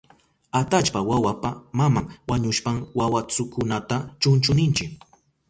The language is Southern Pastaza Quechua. Atallpa wawapa maman wañushpan wawastukunata chunchu ninchi.